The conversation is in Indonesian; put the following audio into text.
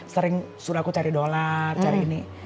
sering suruh aku cari dolar cari ini